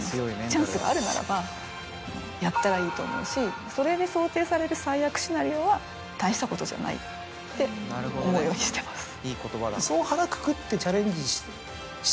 チャンスがあるならばやったらいいと思うしそれで想定される最悪シナリオは大したことじゃないって思うようにしてます。